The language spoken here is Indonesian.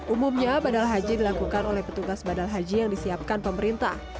umumnya badal haji dilakukan oleh petugas badal haji yang disiapkan pemerintah